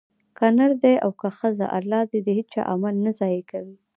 که نر دی او که ښځه؛ الله د هيچا عمل نه ضائع کوي